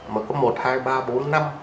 mà có một hai ba bốn năm